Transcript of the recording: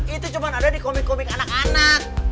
itu cuma ada di komik komik anak anak